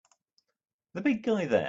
The big guy there!